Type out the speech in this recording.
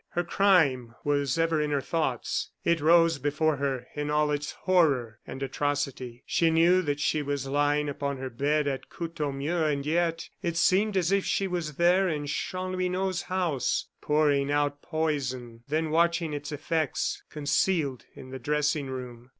Her crime was ever in her thoughts; it rose before her in all its horror and atrocity. She knew that she was lying upon her bed, at Courtornieu; and yet it seemed as if she was there in Chanlouineau's house, pouring out poison, then watching its effects, concealed in the dressing room.